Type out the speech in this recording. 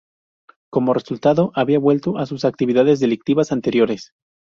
Como resultado, había vuelto a sus actividades delictivas anteriores.